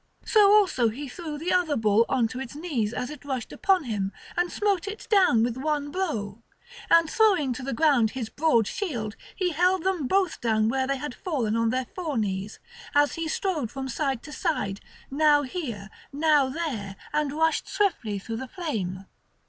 So also he threw the other bull on to its knees as it rushed upon him, and smote it down with one blow. And throwing to the ground his broad shield, he held them both down where they had fallen on their fore knees, as he strode from side to side, now here, now there, and rushed swiftly through the flame.